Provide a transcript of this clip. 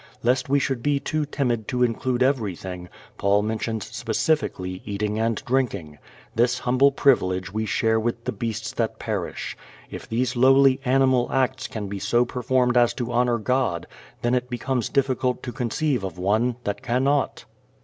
Lest we should be too timid to include everything, Paul mentions specifically eating and drinking. This humble privilege we share with the beasts that perish. If these lowly animal acts can be so performed as to honor God, then it becomes difficult to conceive of one that cannot.